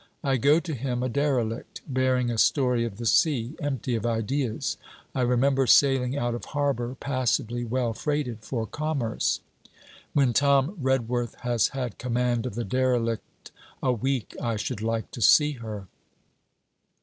I go to him a derelict, bearing a story of the sea; empty of ideas. I remember sailing out of harbour passably well freighted for commerce.' 'When Tom Redworth has had command of the "derelict" a week, I should like to see her!'